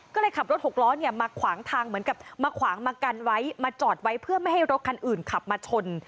ก็เลยขับรถหกล้อเนี่ยมาขวางทางเหมือนกับมาขวางมากันไว้มาจอดไว้เพื่อไม่ให้รถคันอื่นขับมาชน